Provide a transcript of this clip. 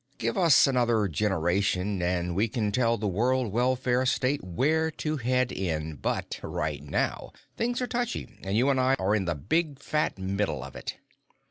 "Give us another generation, and we can tell the World Welfare State where to head in but right now, things are touchy, and you and I are in the big fat middle of it."